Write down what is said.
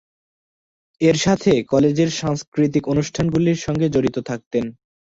এর সাথে কলেজের সাংস্কৃতিক অনুষ্ঠানগুলির সঙ্গে জড়িত থাকতেন।